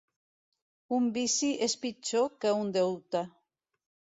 Un vici és pitjor que un deute.